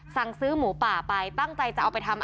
สั่งซื้อหมูป่าไปตั้งใจจะเอาไปทำ